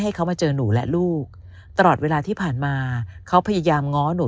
เขามาเจอหนูและลูกตลอดเวลาที่ผ่านมาเขาพยายามง้อหนู